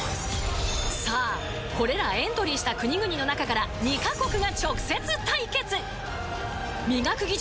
さあこれらエントリーした国々の中から２カ国が直接対決磨く技術